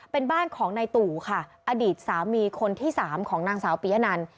เป็นบ้านของนายตู่ค่ะอดีตสามีคนที่สามของนางสาวปียะนัน